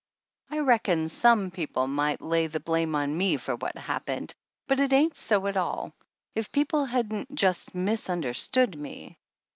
I reckon some people might lay the blame on me for what happened, but it ain't so at all, if people hadn't just misunderstood me.